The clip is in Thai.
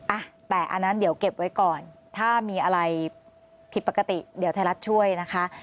อ่ะแต่อันนั้นเดี๋ยวเก็บไว้ก่อนถ้ามีอะไรผิดปกติเดี๋ยวไทยรัฐช่วยนะคะ